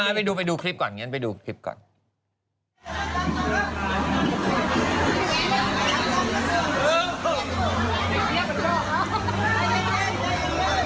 เดี๋ยวเราจะไปดูคลิปก่อนงั้นไปดูคลิปก่อนงั้นไปดูคลิปก่อน